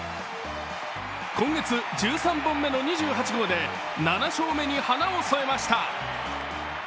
今月１３本目の２８号で７勝目に花を添えました。